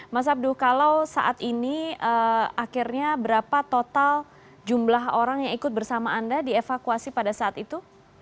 mas abduh kalau saat ini akhirnya berapa total jumlah orang yang ikut bersama anda dievakuasi pada saat itu